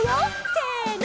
せの！